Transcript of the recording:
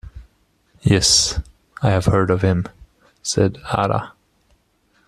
"Yes, I have heard of him," said Ada.